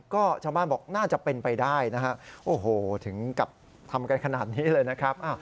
ก็ชาวบ้านบอกน่าจะเป็นไปได้นะฮะโอ้โหถึงกับทำกันขนาดนี้เลยนะครับ